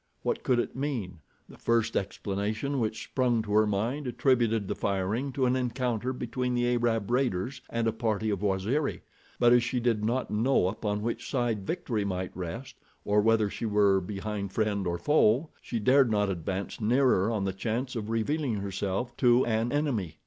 What could it mean? The first explanation which sprung to her mind attributed the firing to an encounter between the Arab raiders and a party of Waziri; but as she did not know upon which side victory might rest, or whether she were behind friend or foe, she dared not advance nearer on the chance of revealing herself to an enemy.